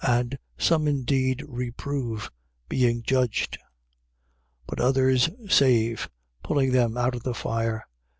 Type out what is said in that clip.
And some indeed reprove, being judged: 1:23. But others save, pulling them out of the fire.